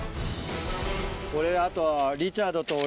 これあと。